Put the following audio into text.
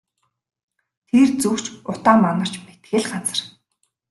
Тэр зүг ч утаа манарч мэдэх л газар.